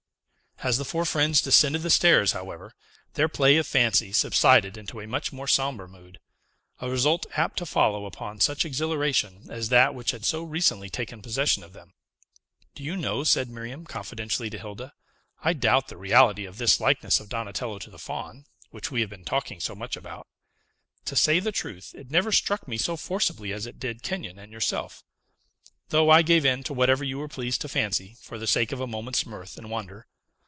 As the four friends descended the stairs, however, their play of fancy subsided into a much more sombre mood; a result apt to follow upon such exhilaration as that which had so recently taken possession of them. "Do you know," said Miriam confidentially to Hilda, "I doubt the reality of this likeness of Donatello to the Faun, which we have been talking so much about? To say the truth, it never struck me so forcibly as it did Kenyon and yourself, though I gave in to whatever you were pleased to fancy, for the sake of a moment's mirth and wonder."